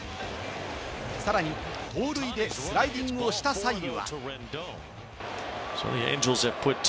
さらに盗塁でスライディングした際には。